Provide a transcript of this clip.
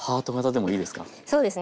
そうですね。